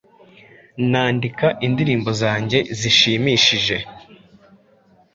Nandika indirimbo zanjye zishimishije,